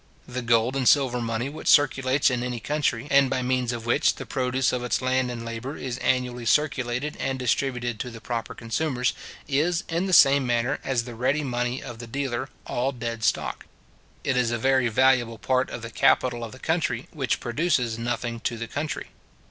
The gold and silver money which circulates in any country, and by means of which, the produce of its land and labour is annually circulated and distributed to the proper consumers, is, in the same manner as the ready money of the dealer, all dead stock. It is a very valuable part of the capital of the country, which produces nothing to the country.